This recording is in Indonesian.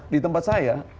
di tempat saya